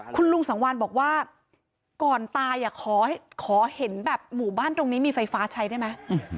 คุณลุงสังวานบอกว่าก่อนตายขอเห็นแบบหมู่บ้านตรงนี้มีไฟฟ้าใช้ได้ไหม